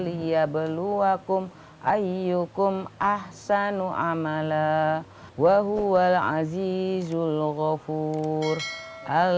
iya maaf mak nanti ke situ ya